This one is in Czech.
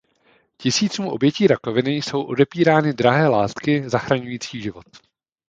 Tisícům obětí rakoviny jsou odepírány drahé léky zachraňující život.